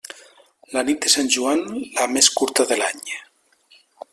La nit de Sant Joan, la més curta de l'any.